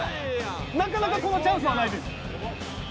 なかなかこのチャンスはないです。